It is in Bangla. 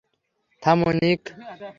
থামো, নিক।